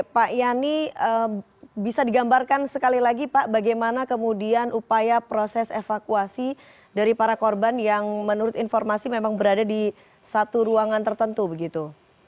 pak yani bisa digambarkan sekali lagi pak bagaimana kemudian upaya proses evakuasi dari para korban yang menurut informasi memang berada di satu ruangan tertentu begitu